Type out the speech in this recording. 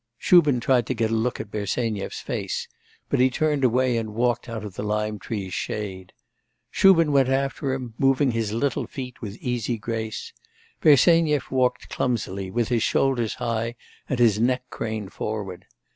Shubin tried to get a look at Bersenyev's face, but he turned away and walked out of the lime tree's shade. Shubin went after him, moving his little feet with easy grace. Bersenyev walked clumsily, with his shoulders high and his neck craned forward.